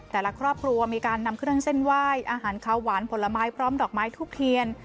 แต่ละครอบครัวมีการนำเครื่องเส้นไหว้อาหารขาวหวานผลไม้พร้อมดอกไม้ทูบเทียน